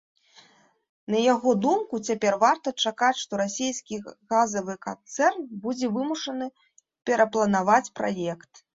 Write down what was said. На яго думку, цяпер варта чакаць, што расійскі газавы канцэрн будзе вымушаны перапланаваць праект.